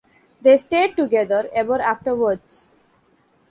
They stayed together ever afterwards.